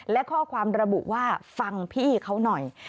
และข้อความระบุว่าฟังพี่เขาหน่อย